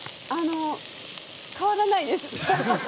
変わらないです。